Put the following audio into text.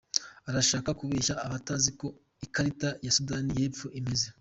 Arashaka kubeshya abatazi uko ikarita ya Sudani y’Epfo imeze.